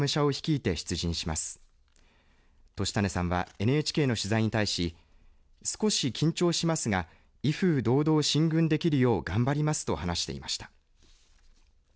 言胤さんはＮＨＫの取材に対し少し緊張しますが威風堂々進軍できるよう頑張りますと話していました。